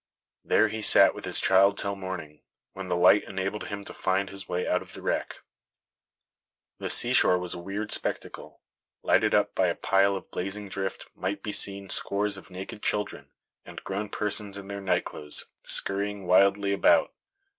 There he sat with his child till morning, when the light enabled him to find his way out of the wreck. The sea shore was a weird spectacle. Lighted up by a pile of blazing drift might be seen scores of naked children, and grown persons in their night clothes, scurrying wildly about.